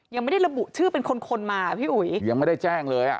ยังไม่ได้ระบุชื่อเป็นคนคนมาพี่อุ๋ยยังไม่ได้แจ้งเลยอ่ะ